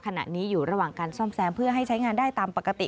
ขณะนี้อยู่ระหว่างการซ่อมแซมเพื่อให้ใช้งานได้ตามปกติ